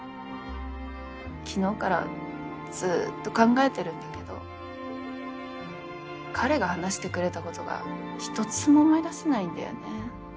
昨日からずっと考えてるんだけど彼が話してくれたことが一つも思い出せないんだよね。